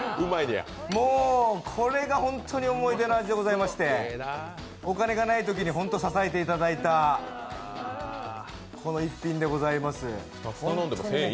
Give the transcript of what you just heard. もうこれがホントに思い出の味でございましてお金がないときに、ほんと支えていただいた一品でございます。